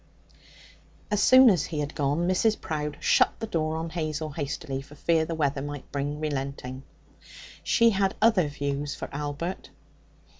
As soon as he had gone, Mrs. Prowde shut the door on Hazel hastily, for fear the weather might bring relenting. She had other views for Albert.